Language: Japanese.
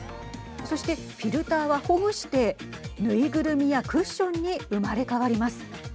そして、フィルターはほぐして縫いぐるみやクッションに生まれ変わります。